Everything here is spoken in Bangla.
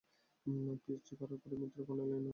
পিএইচডি করার পরে মিত্র কর্নেল ইউনিভার্সিটিতে পড়তে যান।